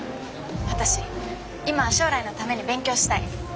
私今は将来のために勉強したい。